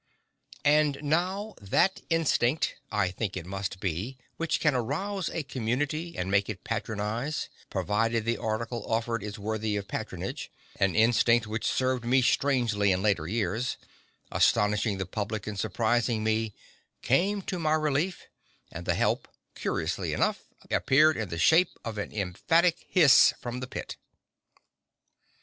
And now that instinct I think it must be which can arouse a community and make it patronize, provided the article offered is worthy of patronage an instinct which served me strangely in later years, astonishing the public and surprising me, came to my relief, and the help, curiously enough, appeared in the shape of an emphatic hiss from the pit!